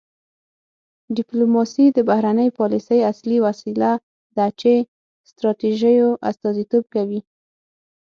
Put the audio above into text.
ډیپلوماسي د بهرنۍ پالیسۍ اصلي وسیله ده چې ستراتیژیو استازیتوب کوي